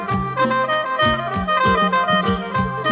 สวัสดีครับสวัสดีครับ